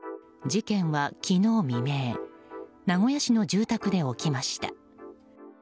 事件は昨日未明名古屋市の住宅で起きました。